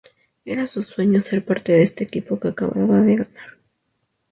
Era su sueño ser parte de este equipo que acababa de ganar.